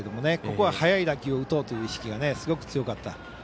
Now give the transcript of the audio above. ここは速い打球を打とうという意識がすごく強かった。